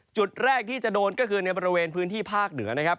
จุดแรกที่จะโดนก็คือในบริเวณพื้นที่ภาคเหนือนะครับ